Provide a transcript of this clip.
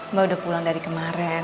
mbak udah pulang dari kemarin